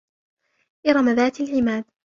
إِرَمَ ذَاتِ الْعِمَادِ